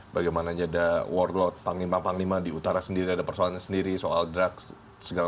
bagaimana ada workload panglima panglima di utara sendiri ada persoalannya sendiri soal drugs segala